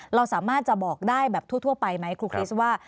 เราสามารถจะบอกได้แบบทั่วไปไหมครูคริสว่า